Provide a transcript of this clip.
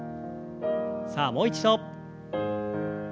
さあもう一度。